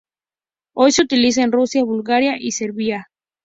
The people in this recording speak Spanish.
Hoy se utiliza en Rusia, Bulgaria y Serbia.